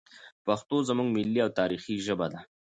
پښتو زموږ ملي او تاریخي ژبه ده.